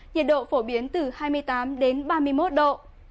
nhiệt độ phổ biến từ hai mươi tám đến ba mươi một độ